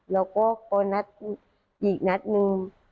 แล้วก็นัดอีกนัดนึง